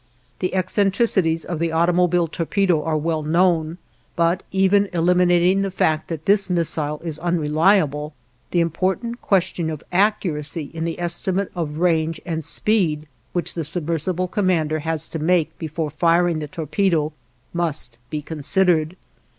The eccentricities of the automobile torpedo are well known; but, even eliminating the fact that this missile is unreliable, the important question of accuracy in the estimate of range and speed which the submersible commander has to make before firing the torpedo must be considered.